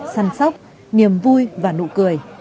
săn sóc niềm vui và nụ cười